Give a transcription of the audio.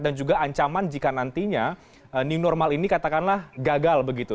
dan juga ancaman jika nantinya new normal ini katakanlah gagal begitu